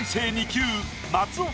２級松岡